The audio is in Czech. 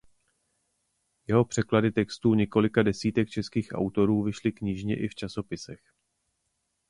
Jeho překlady textů několika desítek českých autorů vyšly knižně i v časopisech.